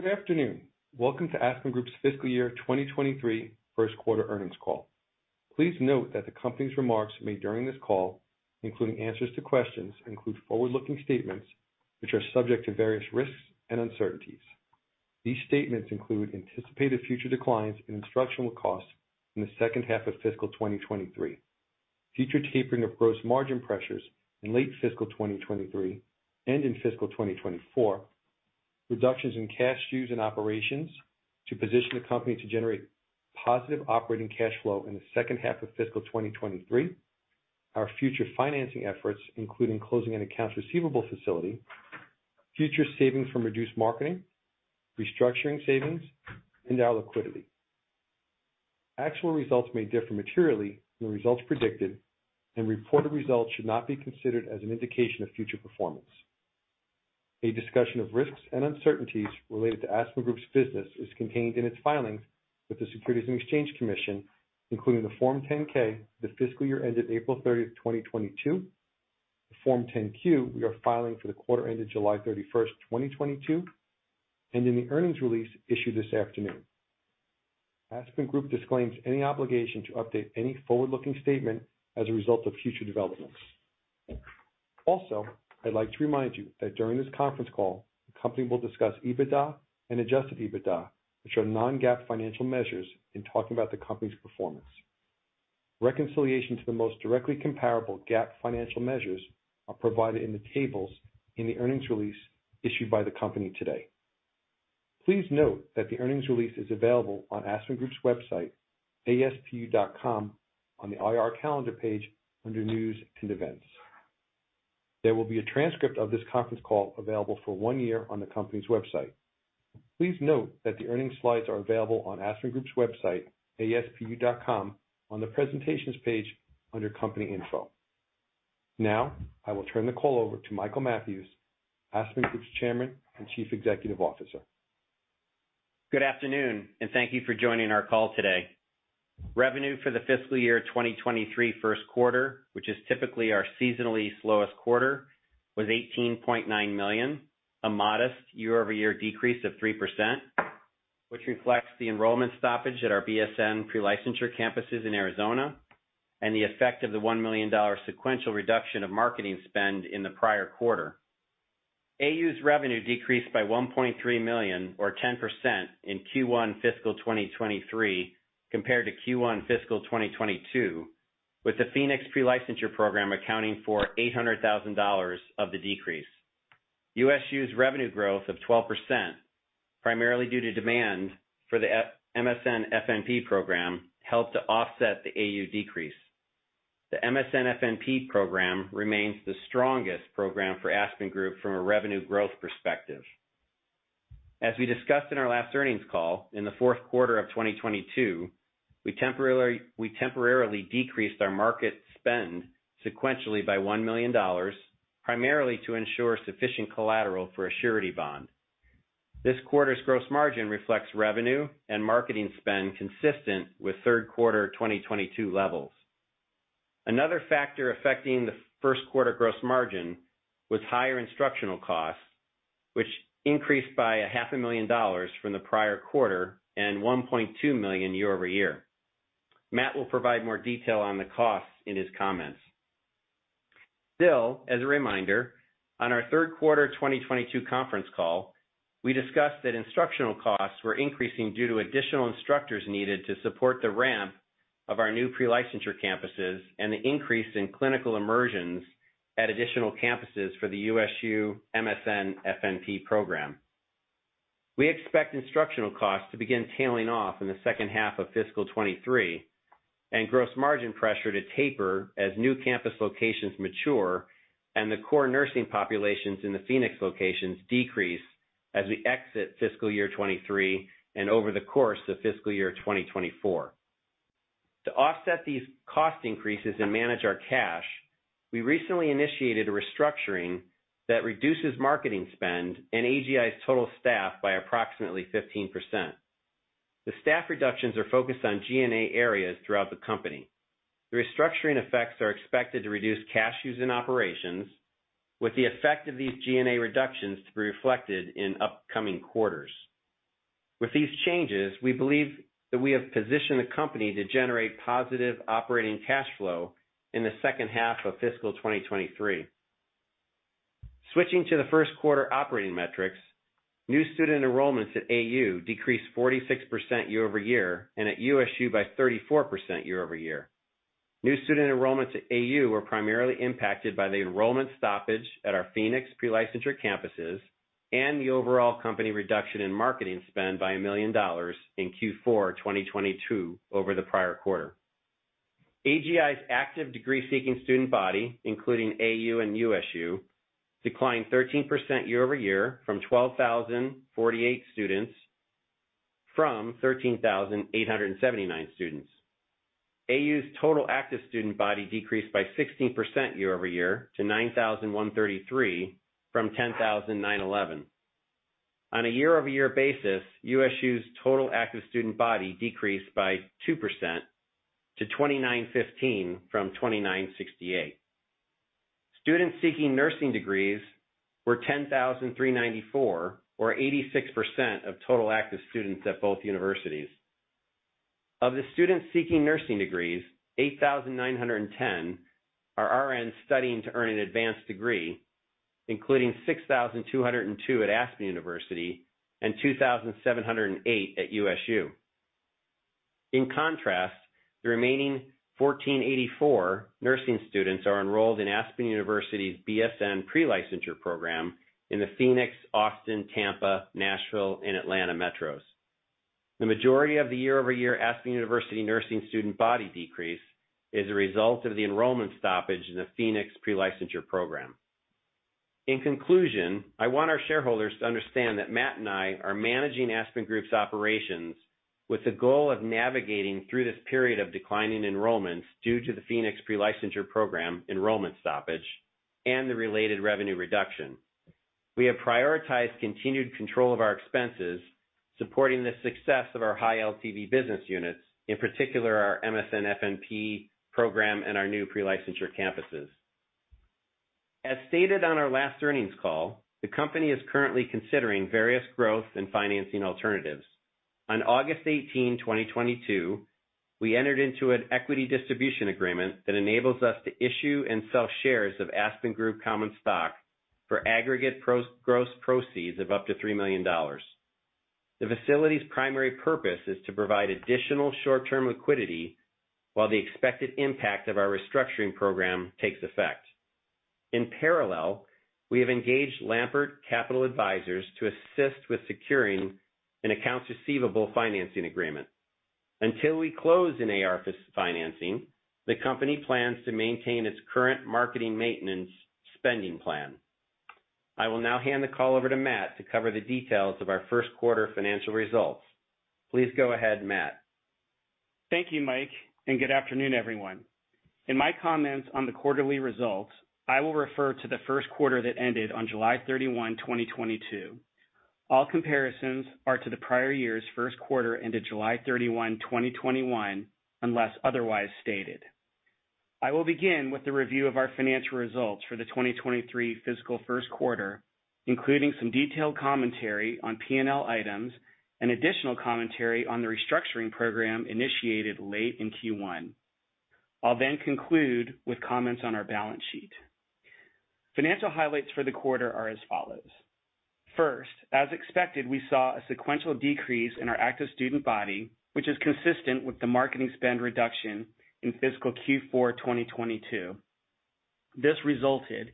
Good afternoon. Welcome to Aspen Group's FY 2023 Q1 earnings call. Please note that the company's remarks made during this call, including answers to questions, include forward-looking statements which are subject to various risks and uncertainties. These statements include anticipated future declines in instructional costs in the H2 of fiscal 2023, future tapering of gross margin pressures in late fiscal 2023 and in fiscal 2024, reductions in cash use and operations to position the company to generate positive operating cash flow in the H2 of fiscal 2023, our future financing efforts, including closing an accounts receivable facility, future savings from reduced marketing, restructuring savings, and our liquidity. Actual results may differ materially from the results predicted, and reported results should not be considered as an indication of future performance. A discussion of risks and uncertainties related to Aspen Group's business is contained in its filings with the Securities and Exchange Commission, including the Form 10-K for the fiscal year ended April 30th, 2022, the Form 10-Q we are filing for the quarter ended July 31st, 2022, and in the earnings release issued this afternoon. Aspen Group disclaims any obligation to update any forward-looking statement as a result of future developments. Also, I'd like to remind you that during this conference call, the company will discuss EBITDA and adjusted EBITDA, which are non-GAAP financial measures, in talking about the company's performance. Reconciliation to the most directly comparable GAAP financial measures are provided in the tables in the earnings release issued by the company today. Please note that the earnings release is available on Aspen Group's website, aspu.com, on the IR Calendar page under News & Events. There will be a transcript of this conference call available for one year on the company's website. Please note that the earnings slides are available on Aspen Group's website, aspu.com, on the Presentations page under Company Info. Now, I will turn the call over to Michael Mathews, Aspen Group's Chairman and Chief Executive Officer. Good afternoon, and thank you for joining our call today. Revenue for the FY 2023 Q1, which is typically our seasonally slowest quarter, was $18.9 million, a modest year-over-year decrease of 3%, which reflects the enrollment stoppage at our BSN pre-licensure campuses in Arizona and the effect of the $1 million sequential reduction of marketing spend in the prior quarter. AU's revenue decreased by $1.3 million or 10% in Q1 fiscal 2023 compared to Q1 fiscal 2022, with the Phoenix pre-licensure program accounting for $800,000 of the decrease. USU's revenue growth of 12%, primarily due to demand for the MSN-FNP program, helped to offset the AU decrease. The MSN-FNP program remains the strongest program for Aspen Group from a revenue growth perspective. As we discussed in our last earnings call, in the Q4 of 2022, we temporarily decreased our market spend sequentially by $1 million, primarily to ensure sufficient collateral for a surety bond. This quarter's gross margin reflects revenue and marketing spend consistent with Q3 2022 levels. Another factor affecting the Q1 gross margin was higher instructional costs, which increased by a half a million dollars from the prior quarter and $1.2 million year-over-year. Matt will provide more detail on the costs in his comments. Still, as a reminder, on our Q3 2022 conference call, we discussed that instructional costs were increasing due to additional instructors needed to support the ramp of our new pre-licensure campuses and the increase in clinical immersions at additional campuses for the USU MSN-FNP program. We expect instructional costs to begin tailing off in the H2 of fiscal 2023 and gross margin pressure to taper as new campus locations mature and the core nursing populations in the Phoenix locations decrease as we exit fiscal year 2023 and over the course of FY 2024. To offset these cost increases and manage our cash, we recently initiated a restructuring that reduces marketing spend and AGI's total staff by approximately 15%. The staff reductions are focused on G&A areas throughout the company. The restructuring effects are expected to reduce cash use in operations, with the effect of these G&A reductions to be reflected in upcoming quarters. With these changes, we believe that we have positioned the company to generate positive operating cash flow in the H2 of fiscal 2023. Switching to the Q1 operating metrics, new student enrollments at AU decreased 46% year-over-year, and at USU by 34% year-over-year. New student enrollments at AU were primarily impacted by the enrollment stoppage at our Phoenix pre-licensure campuses and the overall company reduction in marketing spend by $1 million in Q4 2022 over the prior quarter. AGI's active degree-seeking student body, including AU and USU, declined 13% year-over-year to 12,048 students from 13,879 students. AU's total active student body decreased by 16% year-over-year to 9,133 from 10,911. On a year-over-year basis, USU's total active student body decreased by 2% to 2,915 from 2,968. Students seeking nursing degrees were 10,394, or 86% of total active students at both universities. Of the students seeking nursing degrees, 8,910 are RNs studying to earn an advanced degree, including 6,202 at Aspen University and 2,708 at USU. In contrast, the remaining 1,484 nursing students are enrolled in Aspen University's BSN pre-licensure program in the Phoenix, Austin, Tampa, Nashville, and Atlanta metros. The majority of the year-over-year Aspen University nursing student body decrease is a result of the enrollment stoppage in the Phoenix pre-licensure program. In conclusion, I want our shareholders to understand that Matt and I are managing Aspen Group's operations with the goal of navigating through this period of declining enrollments due to the Phoenix pre-licensure program enrollment stoppage and the related revenue reduction. We have prioritized continued control of our expenses, supporting the success of our high LTV business units, in particular our MSN-FNP program and our new pre-licensure campuses. As stated on our last earnings call, the company is currently considering various growth and financing alternatives. On August 18, 2022, we entered into an equity distribution agreement that enables us to issue and sell shares of Aspen Group common stock for aggregate gross proceeds of up to $3 million. The facility's primary purpose is to provide additional short-term liquidity while the expected impact of our restructuring program takes effect. In parallel, we have engaged Lampert Capital Advisors to assist with securing an accounts receivable financing agreement. Until we close an AR financing, the company plans to maintain its current marketing maintenance spending plan. I will now hand the call over to Matt to cover the details of our Q1 financial results. Please go ahead, Matt. Thank you, Mike, and good afternoon, everyone. In my comments on the quarterly results, I will refer to the Q1 that ended on July 31, 2022. All comparisons are to the prior year's Q1 ended July 31, 2021, unless otherwise stated. I will begin with the review of our financial results for the 2023 fiscal Q1, including some detailed commentary on P&L items and additional commentary on the restructuring program initiated late in Q1. I'll then conclude with comments on our balance sheet. Financial highlights for the quarter are as follows. First, as expected, we saw a sequential decrease in our active student body, which is consistent with the marketing spend reduction in fiscal Q4, 2022. This resulted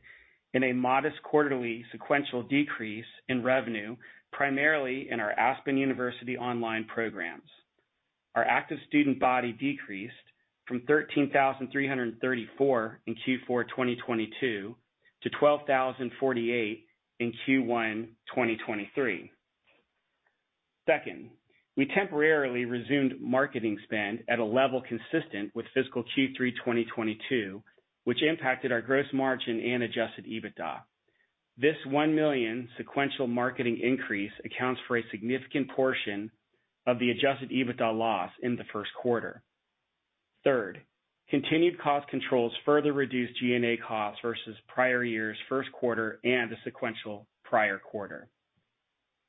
in a modest quarterly sequential decrease in revenue, primarily in our Aspen University online programs. Our active student body decreased from 13,334 in Q4 2022 to 12,048 in Q1 2023. Second, we temporarily resumed marketing spend at a level consistent with fiscal Q3 2022, which impacted our gross margin and adjusted EBITDA. This $1 million sequential marketing increase accounts for a significant portion of the adjusted EBITDA loss in the Q1. Third, continued cost controls further reduced G&A costs versus prior year's Q1 and the sequential prior quarter.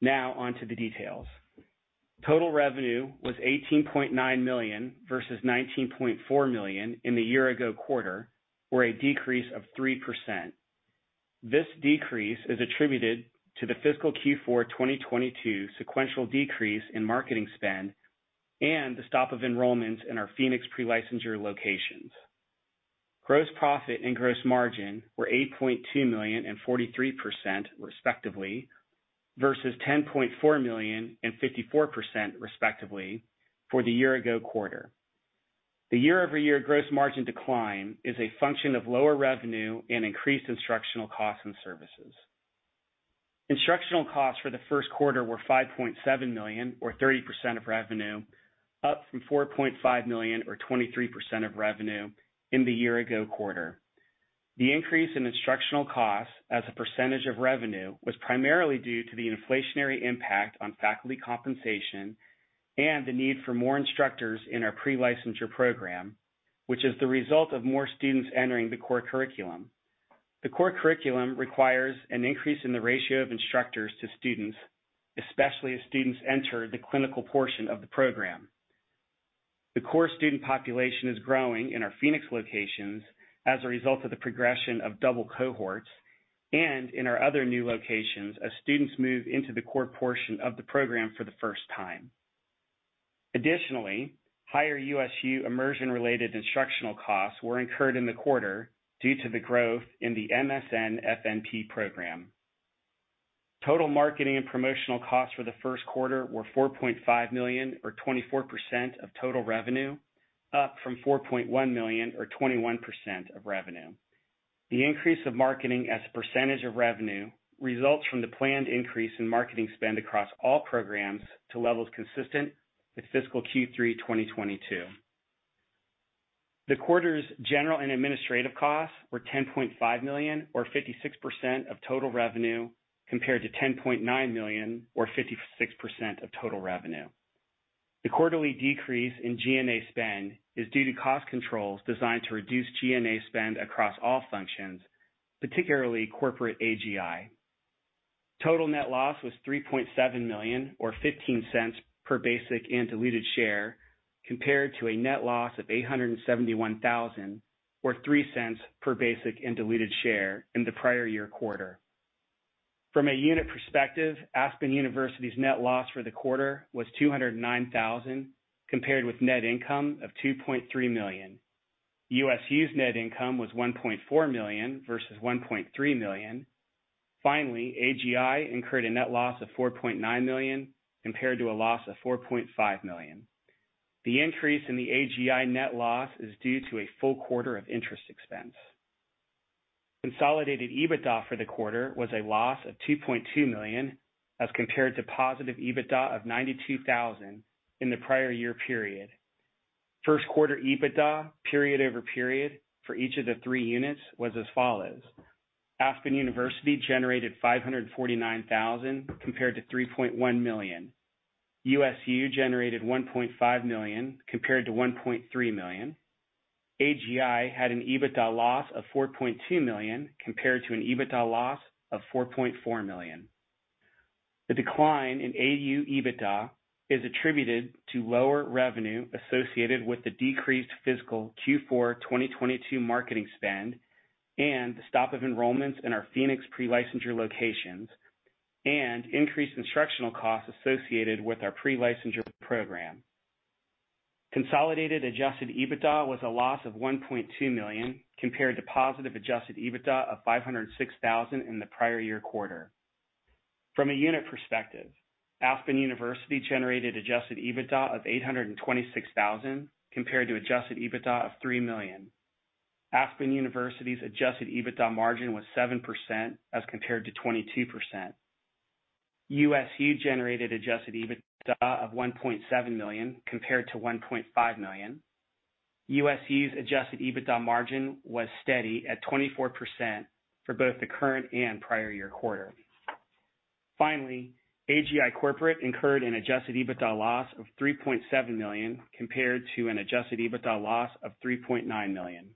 Now on to the details. Total revenue was $18.9 million versus $19.4 million in the year ago quarter, or a decrease of 3%. This decrease is attributed to the fiscal Q4 2022 sequential decrease in marketing spend and the stop of enrollments in our Phoenix pre-licensure locations. Gross profit and gross margin were $8.2 million and 43%, respectively, versus $10.4 million and 54%, respectively, for the year ago quarter. The year-over-year gross margin decline is a function of lower revenue and increased instructional costs and services. Instructional costs for the Q1 were $5.7 million or 30% of revenue, up from $4.5 million or 23% of revenue in the year ago quarter. The increase in instructional costs as a percentage of revenue was primarily due to the inflationary impact on faculty compensation and the need for more instructors in our pre-licensure program, which is the result of more students entering the core curriculum. The core curriculum requires an increase in the ratio of instructors to students, especially as students enter the clinical portion of the program. The core student population is growing in our Phoenix locations as a result of the progression of double cohorts and in our other new locations as students move into the core portion of the program for the first time. Additionally, higher USU immersion-related instructional costs were incurred in the quarter due to the growth in the MSN-FNP program. Total marketing and promotional costs for the Q1 were $4.5 million or 24% of total revenue, up from $4.1 million or 21% of revenue. The increase of marketing as a percentage of revenue results from the planned increase in marketing spend across all programs to levels consistent with fiscal Q3 2022. The quarter's general and administrative costs were $10.5 million or 56% of total revenue, compared to $10.9 million or 56% of total revenue. The quarterly decrease in G&A spend is due to cost controls designed to reduce G&A spend across all functions, particularly corporate AGI. Total net loss was $3.7 million, or $0.15 per basic and diluted share, compared to a net loss of $871,000, or $0.03 per basic and diluted share in the prior year quarter. From a unit perspective, Aspen University's net loss for the quarter was $209,000 compared with net income of $2.3 million. USU's net income was $1.4 million versus $1.3 million. Finally, AGI incurred a net loss of $4.9 million compared to a loss of $4.5 million. The increase in the AGI net loss is due to a full quarter of interest expense. Consolidated EBITDA for the quarter was a loss of $2.2 million as compared to positive EBITDA of $92,000 in the prior year period. Q1 EBITDA period over period for each of the three units was as follows. Aspen University generated $549,000 compared to $3.1 million. USU generated $1.5 million compared to $1.3 million. AGI had an EBITDA loss of $4.2 million compared to an EBITDA loss of $4.4 million. The decline in AU EBITDA is attributed to lower revenue associated with the decreased fiscal Q4 2022 marketing spend and the stop of enrollments in our Phoenix pre-licensure locations, and increased instructional costs associated with our pre-licensure program. Consolidated adjusted EBITDA was a loss of $1.2 million compared to positive adjusted EBITDA of $506 thousand in the prior year quarter. From a unit perspective, Aspen University generated adjusted EBITDA of $826 thousand compared to adjusted EBITDA of $3 million. Aspen University's adjusted EBITDA margin was 7% as compared to 22%. USU generated adjusted EBITDA of $1.7 million compared to $1.5 million. USU's adjusted EBITDA margin was steady at 24% for both the current and prior year quarter. Finally, AGI Corporate incurred an adjusted EBITDA loss of $3.7 million compared to an adjusted EBITDA loss of $3.9 million.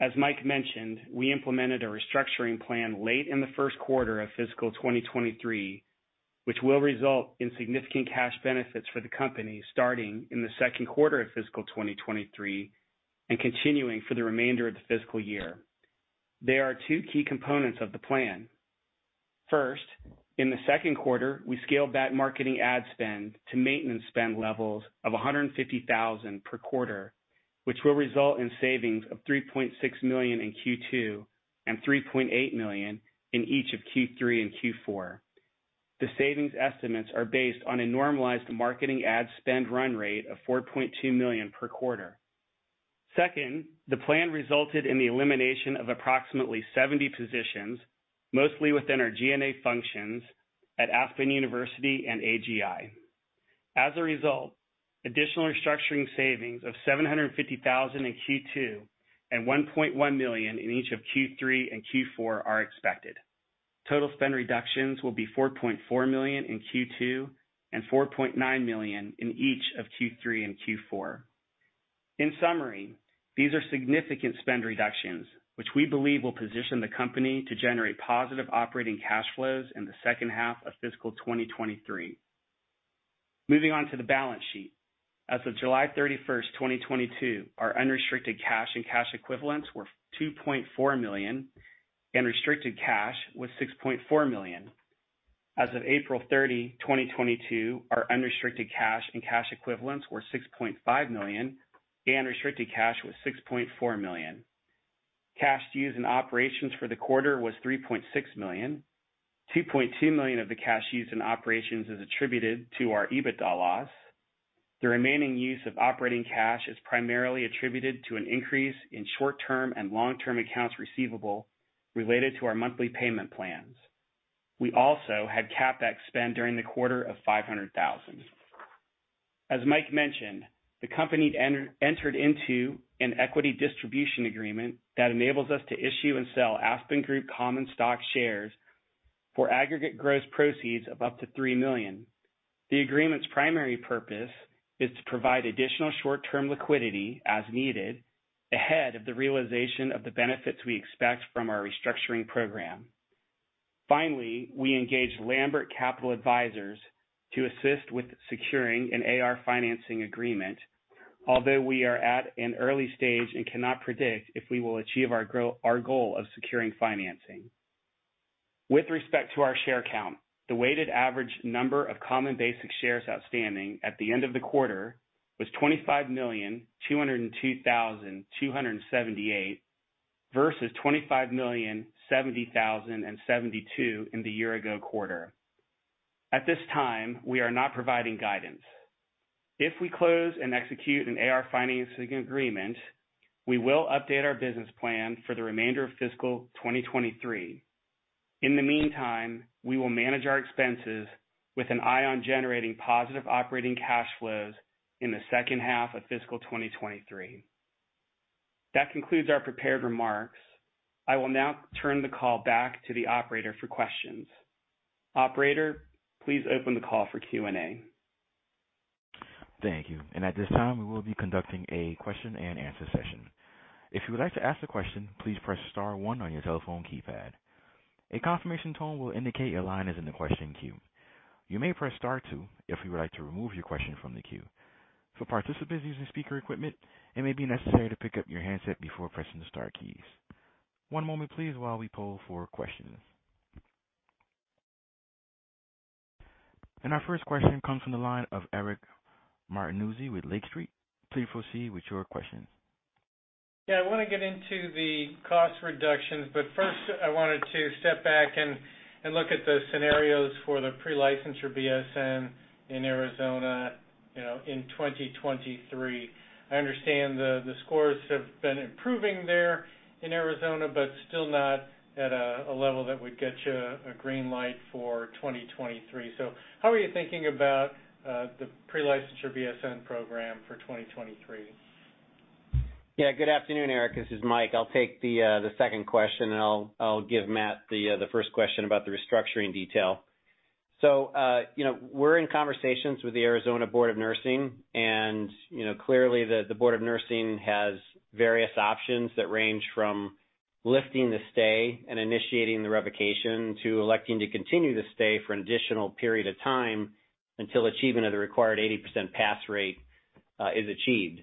As Mike mentioned, we implemented a restructuring plan late in the Q1 of fiscal 2023, which will result in significant cash benefits for the company starting in the Q2 of fiscal 2023 and continuing for the remainder of the fiscal year. There are two key components of the plan. First, in the Q2, we scaled back marketing ad spend to maintenance spend levels of $150,000 per quarter, which will result in savings of $3.6 million in Q2, and $3.8 million in each of Q3 and Q4. The savings estimates are based on a normalized marketing ad spend run rate of $4.2 million per quarter. Second, the plan resulted in the elimination of approximately 70 positions, mostly within our G&A functions at Aspen University and AGI. As a result, additional restructuring savings of $750,000 in Q2 and $1.1 million in each of Q3 and Q4 are expected. Total spend reductions will be $4.4 million in Q2 and $4.9 million in each of Q3 and Q4. In summary, these are significant spend reductions, which we believe will position the company to generate positive operating cash flows in the H2 of fiscal 2023. Moving on to the balance sheet. As of July 31, 2022, our unrestricted cash and cash equivalents were $2.4 million, and restricted cash was $6.4 million. As of April 30, 2022, our unrestricted cash and cash equivalents were $6.5 million, and restricted cash was $6.4 million. Cash used in operations for the quarter was $3.6 million. $2.2 million of the cash used in operations is attributed to our EBITDA loss. The remaining use of operating cash is primarily attributed to an increase in short-term and long-term accounts receivable related to our monthly payment plans. We also had CapEx spend during the quarter of $500,000. As Mike mentioned, the company entered into an equity distribution agreement that enables us to issue and sell Aspen Group common stock shares for aggregate gross proceeds of up to $3 million. The agreement's primary purpose is to provide additional short-term liquidity as needed ahead of the realization of the benefits we expect from our restructuring program. Finally, we engaged Lampert Capital Advisors to assist with securing an AR financing agreement, although we are at an early stage and cannot predict if we will achieve our goal of securing financing. With respect to our share count, the weighted average number of common basic shares outstanding at the end of the quarter was 25,202,278 versus 25,070,072 in the year ago quarter. At this time, we are not providing guidance. If we close and execute an AR financing agreement, we will update our business plan for the remainder of fiscal 2023. In the meantime, we will manage our expenses with an eye on generating positive operating cash flows in the H2 of fiscal 2023. That concludes our prepared remarks. I will now turn the call back to the operator for questions. Operator, please open the call for Q&A. Thank you. At this time, we will be conducting a question-and-answer session. If you would like to ask a question, please press star one on your telephone keypad. A confirmation tone will indicate your line is in the question queue. You may press star two if you would like to remove your question from the queue. For participants using speaker equipment, it may be necessary to pick up your handset before pressing the star keys. One moment please while we poll for questions. Our first question comes from the line of Eric Martinuzzi with Lake Street Capital Markets. Please proceed with your question. Yeah, I wanna get into the cost reductions, but first I wanted to step back and look at the scenarios for the pre-licensure BSN in Arizona, you know, in 2023. I understand the scores have been improving there in Arizona, but still not at a level that would get you a green light for 2023. How are you thinking about the pre-licensure BSN program for 2023? Yeah. Good afternoon, Eric. This is Mike. I'll take the second question, and I'll give Matt the first question about the restructuring detail. You know, we're in conversations with the Arizona Board of Nursing, and you know, clearly the Board of Nursing has various options that range from lifting the stay and initiating the revocation to electing to continue the stay for an additional period of time until achievement of the required 80% pass rate is achieved.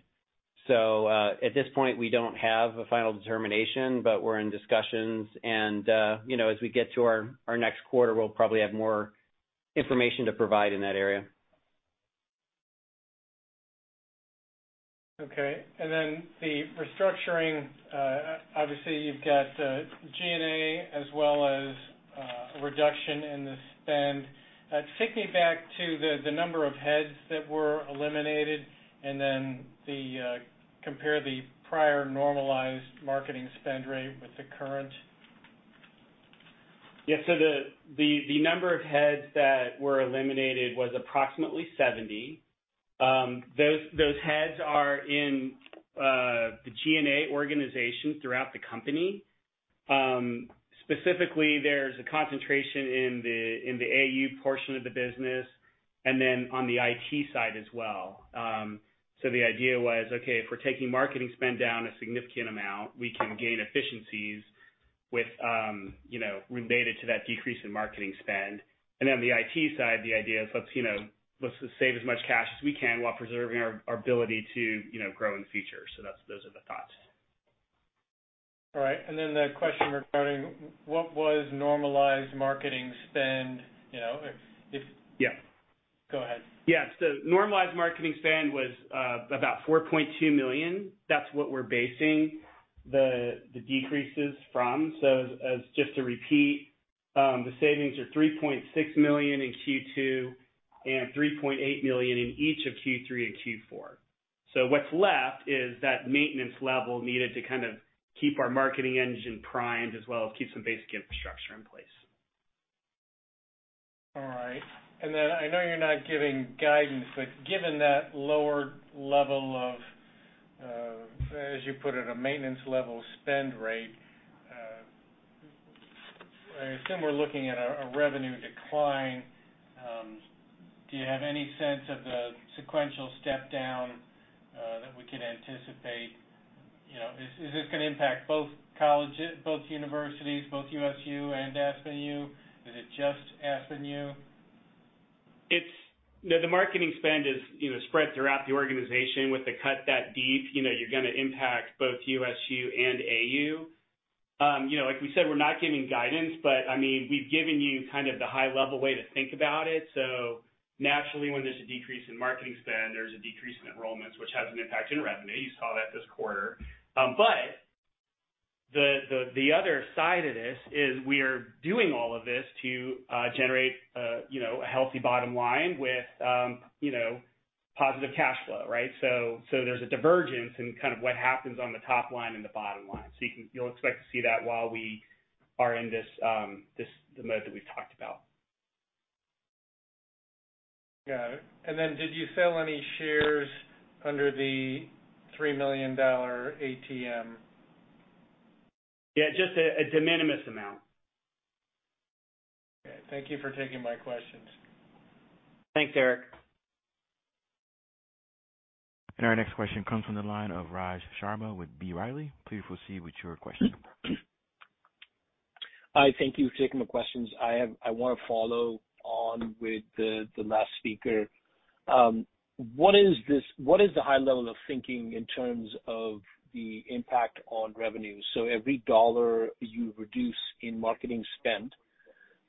At this point, we don't have a final determination, but we're in discussions and you know, as we get to our next quarter, we'll probably have more information to provide in that area. The restructuring, obviously you've got G&A as well as a reduction in the spend. Take me back to the number of heads that were eliminated and then compare the prior normalized marketing spend rate with the current. Yeah. The number of heads that were eliminated was approximately 70. Those heads are in the G&A organization throughout the company. Specifically, there's a concentration in the AU portion of the business and then on the IT side as well. The idea was, okay, if we're taking marketing spend down a significant amount, we can gain efficiencies with, you know, related to that decrease in marketing spend. The IT side, the idea is, let's, you know, let's save as much cash as we can while preserving our ability to, you know, grow in the future. That's those are the thoughts. All right. The question regarding what was normalized marketing spend, you know, if. Yeah. Go ahead. Yeah. Normalized marketing spend was about $4.2 million. That's what we're basing the decreases from. Just to repeat, the savings are $3.6 million in Q2 and $3.8 million in each of Q3 and Q4. What's left is that maintenance level needed to kind of keep our marketing engine primed as well as keep some basic infrastructure in place. All right. I know you're not giving guidance, but given that lower level of, as you put it, a maintenance level spend rate, I assume we're looking at a revenue decline. Do you have any sense of the sequential step down that we could anticipate? You know, is this gonna impact both colleges, both universities, both USU and Aspen U? Is it just Aspen U? The marketing spend is, you know, spread throughout the organization. With the cut that deep, you know, you're gonna impact both USU and AU. You know, like we said, we're not giving guidance, but I mean, we've given you kind of the high level way to think about it. Naturally, when there's a decrease in marketing spend, there's a decrease in enrollments, which has an impact in revenue. You saw that this quarter. The other side of this is we are doing all of this to generate, you know, a healthy bottom line with, you know, positive cash flow, right? There's a divergence in kind of what happens on the top line and the bottom line. You'll expect to see that while we are in this mode that we've talked about. Got it. Did you sell any shares under the $3 million ATM? Yeah, just a de minimis amount. Okay. Thank you for taking my questions. Thanks, Eric. Our next question comes from the line of Raj Sharma with B. Riley. Please proceed with your question. Hi. Thank you for taking the questions. I wanna follow on with the last speaker. What is the high level of thinking in terms of the impact on revenue? So every dollar you reduce in marketing spend,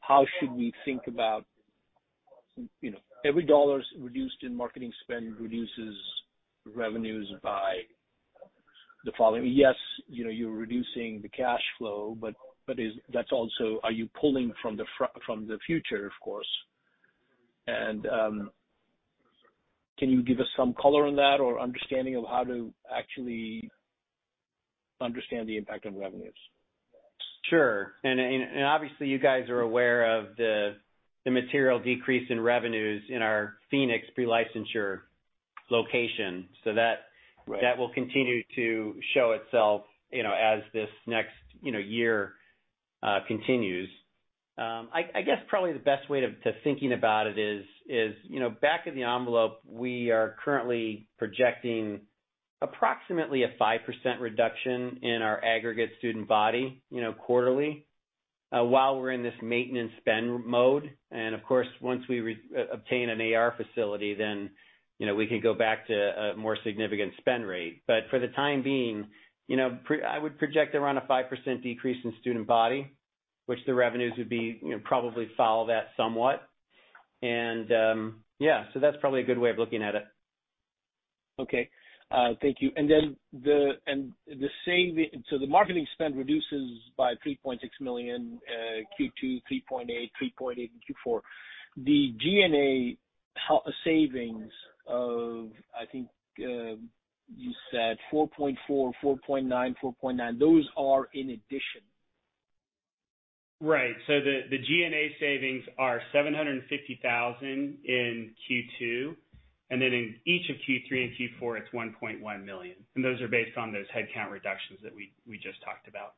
how should we think about, you know, every dollar reduced in marketing spend reduces revenues by the following. Yes, you know, you're reducing the cash flow, but that's also, are you pulling from the future, of course. Can you give us some color on that or understanding of how to actually understand the impact on revenues? Sure. Obviously you guys are aware of the material decrease in revenues in our Phoenix pre-licensure location. So that- Right That will continue to show itself, you know, as this next, you know, year continues. I guess probably the best way to think about it is, you know, back of the envelope, we are currently projecting approximately a 5% reduction in our aggregate student body, you know, quarterly, while we're in this maintenance spend mode. Of course, once we obtain an AR facility, then, you know, we can go back to a more significant spend rate. But for the time being, you know, I would project around a 5% decrease in student body, which the revenues would be, you know, probably follow that somewhat. Yeah, that's probably a good way of looking at it. Okay. Thank you. The marketing spend reduces by $3.6 million in Q2, $3.8 million in Q4. The G&A savings of, I think, you said $4.4 million, $4.9 million, those are in addition? Right. The G&A savings are $750,000 in Q2, and then in each of Q3 and Q4, it's $1.1 million. Those are based on those headcount reductions that we just talked about.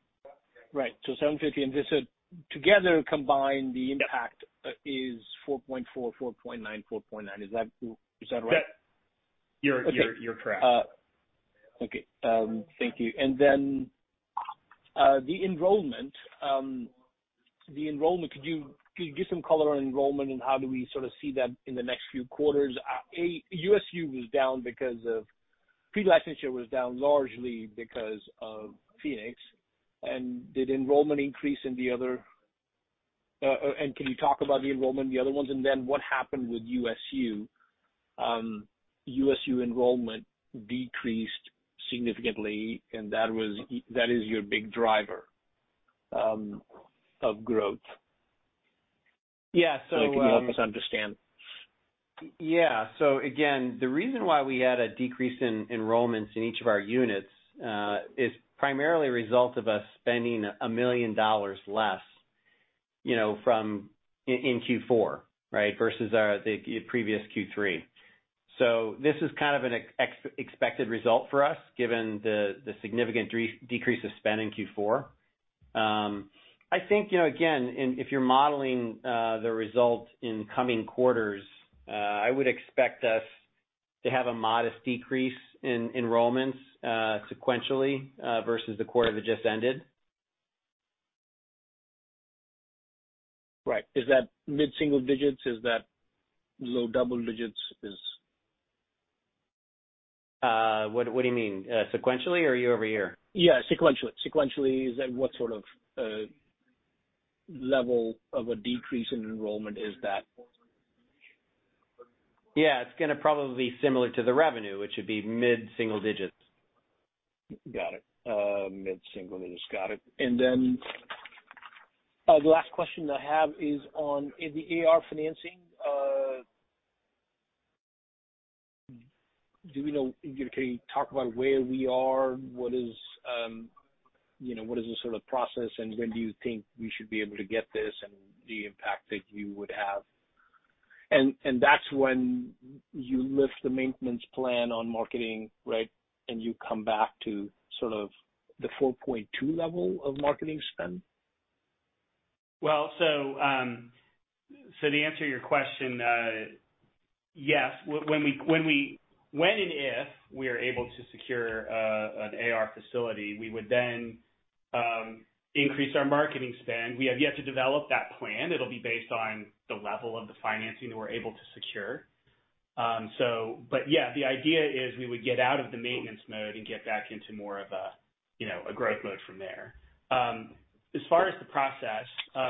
Right. 750. This is together, combined, the impact. Yeah is 4.4.9, 4.9. Is that right? Yeah. You're correct. Thank you. Could you give some color on enrollment and how do we sort of see that in the next few quarters? USU was down because pre-licensure was down largely because of Phoenix. Did enrollment increase in the other? Can you talk about the enrollment in the other ones, and then what happened with USU? USU enrollment decreased significantly, and that is your big driver of growth. Yeah. Can you help us understand? Yeah. Again, the reason why we had a decrease in enrollments in each of our units is primarily a result of us spending $1 million less, you know, in Q4, right? Versus the previous Q3. This is kind of an expected result for us, given the significant decrease of spend in Q4. I think, you know, again, if you're modeling the result in coming quarters, I would expect us to have a modest decrease in enrollments sequentially versus the quarter that just ended. Right. Is that mid-single digits? Is that low double digits? What do you mean? Sequentially or year-over-year? Yeah, sequentially. Is that what sort of level of a decrease in enrollment is that? Yeah. It's gonna probably be similar to the revenue, which would be mid-single digits. Got it. Mid-single digits. Got it. Then, the last question I have is on the AR financing. Do we know? Can you talk about where we are? What is, you know, the sort of process, and when do you think we should be able to get this, and the impact that you would have? That's when you lift the maintenance plan on marketing, right, and you come back to sort of the 4.2 level of marketing spend? To answer your question, yes. When and if we are able to secure an AR facility, we would then increase our marketing spend. We have yet to develop that plan. It'll be based on the level of the financing that we're able to secure. But yeah, the idea is we would get out of the maintenance mode and get back into more of a, you know, a growth mode from there. As far as the process,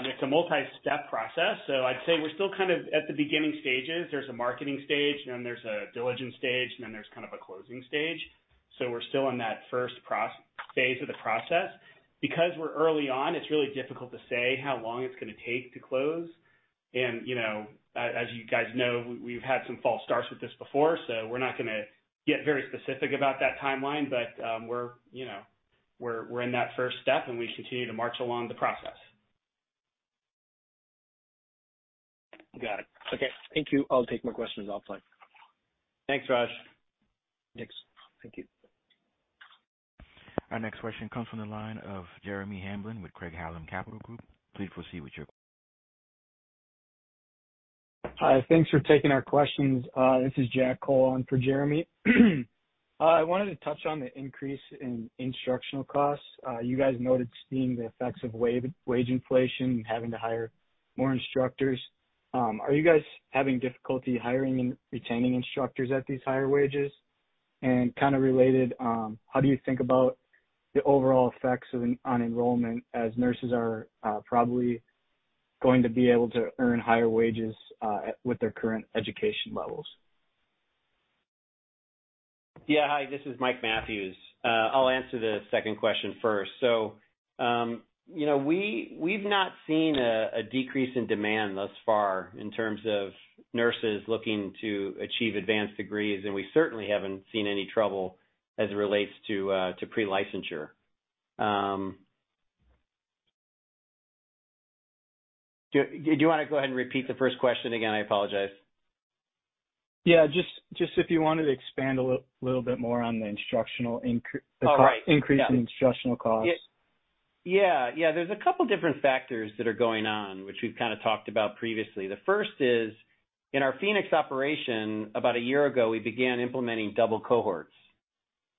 it's a multi-step process, so I'd say we're still kind of at the beginning stages. There's a marketing stage, then there's a diligence stage, and then there's kind of a closing stage. We're still in that first phase of the process. Because we're early on, it's really difficult to say how long it's gonna take to close. You know, as you guys know, we've had some false starts with this before, so we're not gonna get very specific about that timeline. We're, you know, in that first step, and we continue to march along the process. Got it. Okay, thank you. I'll take more questions offline. Thanks, Raj. Thanks. Thank you. Our next question comes from the line of Jeremy Hamblin with Craig-Hallum Capital Group. Please proceed with your question. Hi. Thanks for taking our questions. This is Jack Cole on for Jeremy Hamblin. I wanted to touch on the increase in instructional costs. You guys noted seeing the effects of wage inflation and having to hire more instructors. Are you guys having difficulty hiring and retaining instructors at these higher wages? Kind of related, how do you think about the overall effects on enrollment as nurses are probably going to be able to earn higher wages with their current education levels? Yeah. Hi, this is Mike Mathews. I'll answer the second question first. You know, we've not seen a decrease in demand thus far in terms of nurses looking to achieve advanced degrees, and we certainly haven't seen any trouble. As it relates to pre-licensure. Do you wanna go ahead and repeat the first question again? I apologize. Yeah. Just if you wanted to expand a little bit more on the instructional incr- Oh, right. The increase in instructional costs. Yeah. Yeah. There's a couple different factors that are going on, which we've kinda talked about previously. The first is, in our Phoenix operation, about a year ago, we began implementing double cohorts.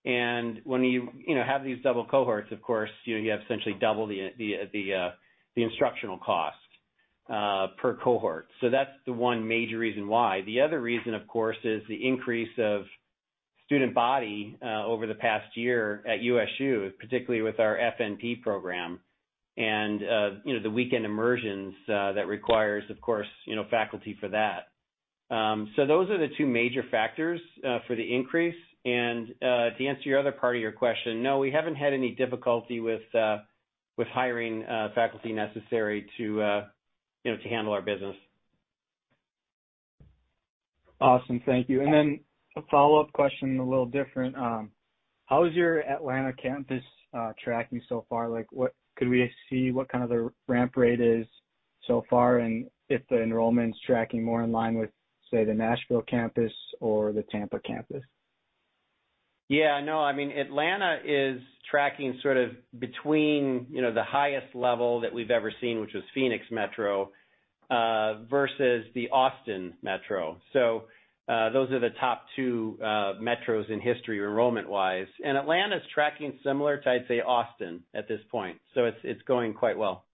When you know have these double cohorts, of course, you have essentially double the instructional cost per cohort. That's the one major reason why. The other reason, of course, is the increase of student body over the past year at USU, particularly with our FNP program and you know the weekend immersions that requires, of course, you know, faculty for that. Those are the two major factors for the increase. To answer your other part of your question, no, we haven't had any difficulty with hiring faculty necessary to you know to handle our business. Awesome. Thank you. A follow-up question, a little different. How is your Atlanta campus tracking so far? Like, could we see what kind of the ramp rate is so far, and if the enrollment's tracking more in line with, say, the Nashville campus or the Tampa campus? Yeah. No, I mean, Atlanta is tracking sort of between, you know, the highest level that we've ever seen, which was Phoenix Metro, versus the Austin Metro. Those are the top two metros in history enrollment-wise. Atlanta's tracking similar to, I'd say, Austin at this point. It's going quite well.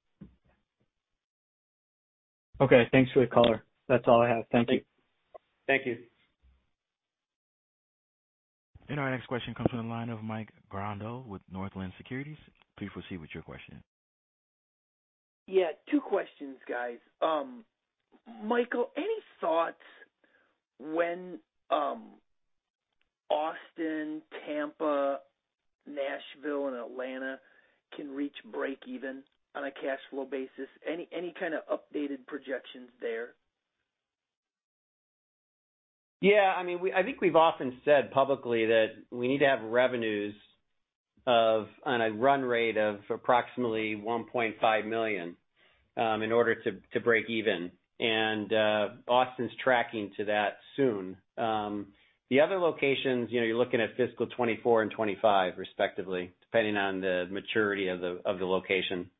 Okay. Thanks for the color. That's all I have. Thank you. Thank you. Our next question comes from the line of Mike Grondahl with Northland Securities. Please proceed with your question. Yeah. Two questions, guys. Michael, any thoughts when Austin, Tampa, Nashville and Atlanta can reach break even on a cash flow basis? Any kind of updated projections there? Yeah, I mean, I think we've often said publicly that we need to have revenues of, on a run rate of approximately $1.5 million, in order to break even. Austin's tracking to that soon. The other locations, you know, you're looking at fiscal 2024 and 2025, respectively, depending on the maturity of the location.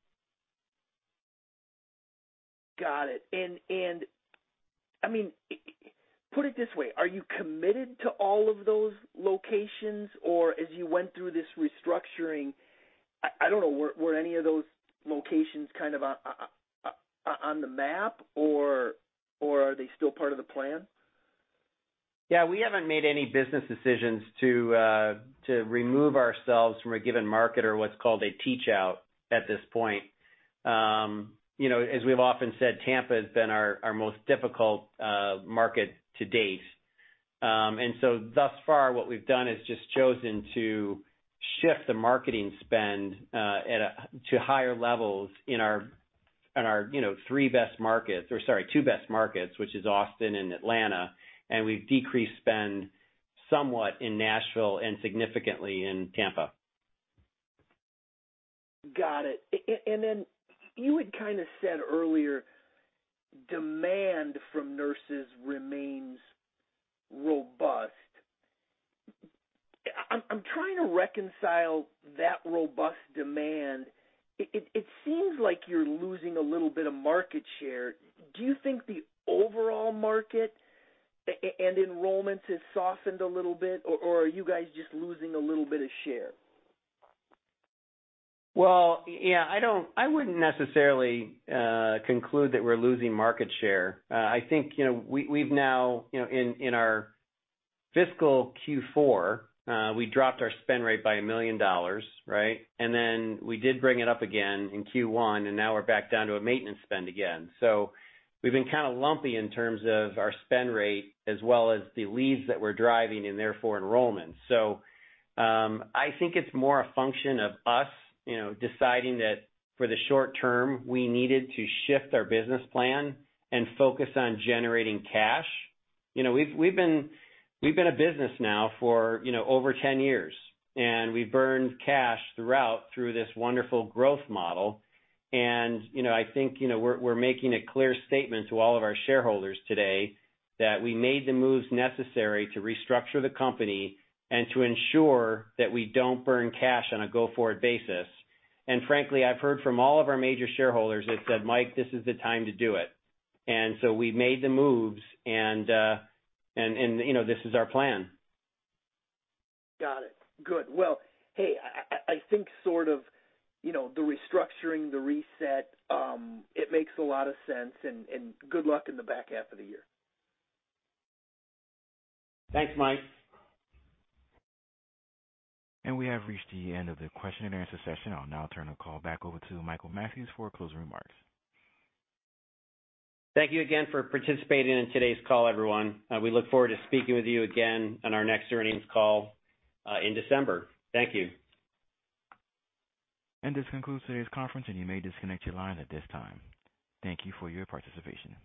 Got it. I mean, put it this way, are you committed to all of those locations or as you went through this restructuring, I don't know, were any of those locations kind of on the map or are they still part of the plan? Yeah, we haven't made any business decisions to remove ourselves from a given market or what's called a teach out at this point. You know, as we've often said, Tampa has been our most difficult market to date. Thus far, what we've done is just chosen to shift the marketing spend to higher levels in our, you know, three best markets or, sorry, two best markets, which is Austin and Atlanta. We've decreased spend somewhat in Nashville and significantly in Tampa. Got it. Then you had kinda said earlier, demand from nurses remains robust. I'm trying to reconcile that robust demand. It seems like you're losing a little bit of market share. Do you think the overall market and enrollment has softened a little bit or are you guys just losing a little bit of share? Well, yeah, I wouldn't necessarily conclude that we're losing market share. I think, you know, we've now, you know, in our fiscal Q4, we dropped our spend rate by $1 million, right? Then we did bring it up again in Q1, and now we're back down to a maintenance spend again. We've been kinda lumpy in terms of our spend rate as well as the leads that we're driving and therefore enrollment. I think it's more a function of us, you know, deciding that for the short term we needed to shift our business plan and focus on generating cash. You know, we've been a business now for, you know, over 10 years, and we've burned cash throughout this wonderful growth model. You know, I think, you know, we're making a clear statement to all of our shareholders today that we made the moves necessary to restructure the company and to ensure that we don't burn cash on a go-forward basis. Frankly, I've heard from all of our major shareholders that said, "Mike, this is the time to do it." We've made the moves and, you know, this is our plan. Got it. Good. Well, hey, I think sort of, you know, the restructuring, the reset, it makes a lot of sense. Good luck in the back half of the year. Thanks, Mike. We have reached the end of the question and answer session. I'll now turn the call back over to Michael Mathews for closing remarks. Thank you again for participating in today's call, everyone. We look forward to speaking with you again on our next earnings call, in December. Thank you. This concludes today's conference, and you may disconnect your line at this time. Thank you for your participation.